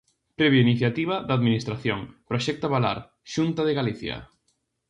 Premio Iniciativa da Administración: proxecto Abalar, Xunta de Galicia.